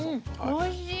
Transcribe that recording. おいしい。